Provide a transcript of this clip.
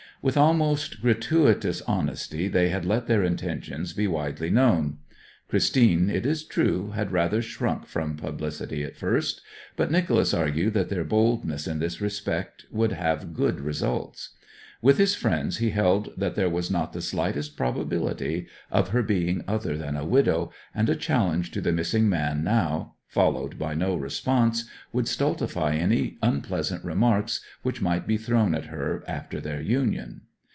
With almost gratuitous honesty they had let their intentions be widely known. Christine, it is true, had rather shrunk from publicity at first; but Nicholas argued that their boldness in this respect would have good results. With his friends he held that there was not the slightest probability of her being other than a widow, and a challenge to the missing man now, followed by no response, would stultify any unpleasant remarks which might be thrown at her after their union.